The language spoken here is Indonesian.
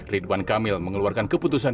ridwan kamil mengeluarkan keputusan